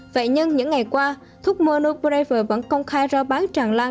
vậy nhưng những ngày qua thuốc monoprever vẫn công khai ra bán tràn lan